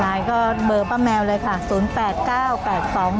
ลายก็เบอร์ป้าแมวเลยค่ะ๐๘๙๘๒๐๑๖๖๔ค่ะ